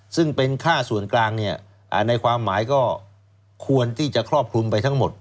ซึ่งเป็นค่าส่วนกลางเนี่ยในความหมายก็ควรที่จะครอบคลุมไปทั้งหมด